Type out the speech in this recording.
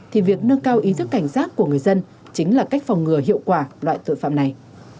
thì việc nâng cao ý thức cảnh giác của người dân chính là cách phòng ngừa hiệu quả loại tội phạm này